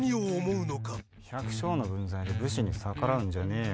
百姓の分際で武士に逆らうんじゃねえよ